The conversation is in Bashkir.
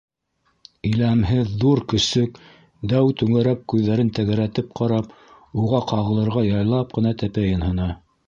Иләмһеҙ ҙур көсөк, дәү түңәрәк күҙҙәрен тәгәрәтеп ҡарап, уға ҡағылырға яйлап ҡына тәпәйен һона!